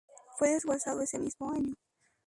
Fue desguazado ese mismo año.